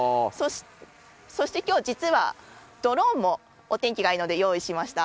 そしてきょう、実はドローンもお天気がいいので用意しました。